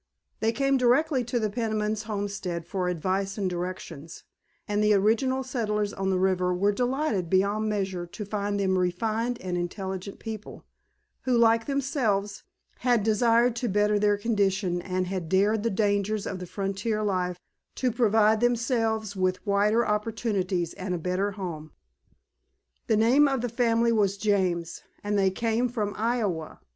They came directly to the Penimans' homestead for advice and directions, and the original settlers on the river were delighted beyond measure to find them refined and intelligent people, who, like themselves, had desired to better their condition and had dared the dangers of the frontier life to provide themselves with wider opportunities and a better home. The name of the family was James, and they came from Iowa.